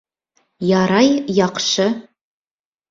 Ярай, яҡшы